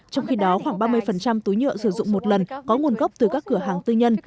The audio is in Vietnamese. trong khi đó khoảng ba mươi túi nhựa sử dụng một lần có nguồn gốc từ các cửa hàng tư nhân